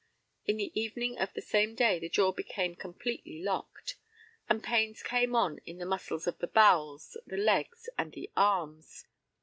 In the evening of the same day the jaw became completely locked, the pains came on in the muscles of the bowels, the legs, and the arms.